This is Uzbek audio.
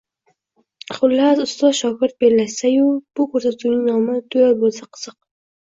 Xullas, ustoz-shogird bellashsayu, bu koʻrsatuvning nomi “Duel” boʻlsa qiziq.